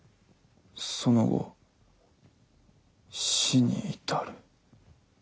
その後死に至る」。